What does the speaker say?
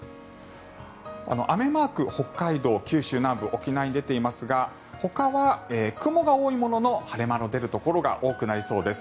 雨マーク、北海道、九州南部沖縄に出ていますがほかは雲が多いものの晴れ間の出るところが多くなりそうです。